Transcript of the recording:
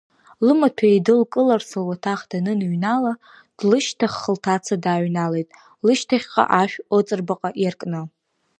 Лымаҭәа еидылкыларц, луаҭах даныныҩнала, длышьҭахх лҭаца дааҩналеит, лышьҭахьҟа ашә ыҵарбаҟа иаркны.